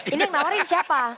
ini menawarin siapa